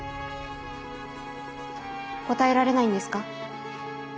答えられないんですか？